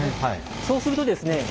そうするとですね